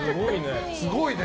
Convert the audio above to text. すごいね。